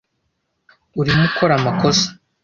Urimo ukora amakosa.